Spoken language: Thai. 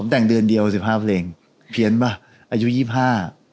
แต่งเดือนเดียวสิบห้าเพลงเพี้ยนป่ะอายุยี่สิบห้า